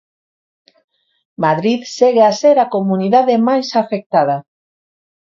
Madrid segue a ser a comunidade máis afectada.